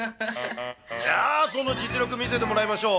じゃあ、その実力、見せてもらいましょう。